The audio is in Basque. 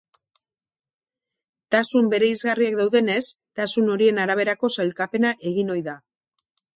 Tasun bereizgarriak daudenez, tasun horien araberako sailkapena egin ohi da.